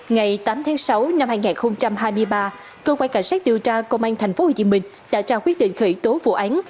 ngày tám tháng sáu năm hai nghìn hai mươi ba cơ quan cảnh sát điều tra công an tp hcm đã trao quyết định khởi tố vụ án